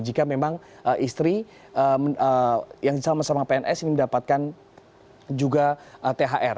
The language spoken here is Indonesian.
jika memang istri yang sama sama pns ini mendapatkan juga thr